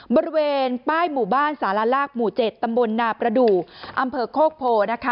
บริเวณป้ายหมู่บ้านสารลากหมู่๗ตำบลนาประดูกอำเภอโคกโพนะคะ